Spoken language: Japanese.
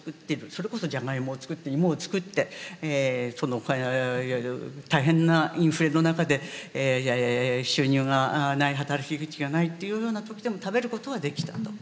それこそジャガイモを作って芋を作ってその大変なインフレの中で「収入がない」「働き口がない」っていうような時でも食べることはできたと。